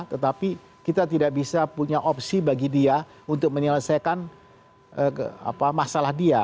tetapi kita tidak bisa punya opsi bagi dia untuk menyelesaikan masalah dia